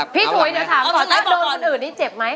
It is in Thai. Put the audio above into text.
ถุยเดี๋ยวถามก่อนถ้าโดนคนอื่นนี่เจ็บไหม